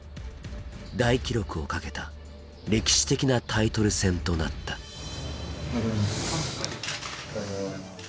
大記録をかけた歴史的なタイトル戦となったおはようございます。